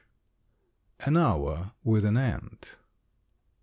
AN HOUR WITH AN ANT.